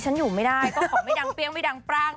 อยู่ไม่ได้ก็ขอไม่ดังเปรี้ยงไม่ดังปร่าง